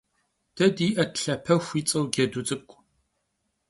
De di'et Lhapexu yi ts'eu cedu ts'ık'u.